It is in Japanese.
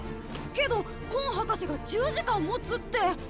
けどコン博士が１０時間もつって！